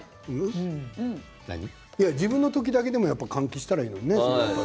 自分の時だけでも換気したらいいのにね。